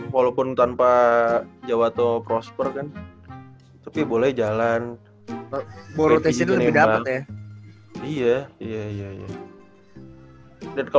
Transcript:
walaupun tanpa jawat prospere kan tapi boleh jalan jalan ya iya iya iya